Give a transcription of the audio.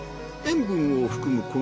塩分を含む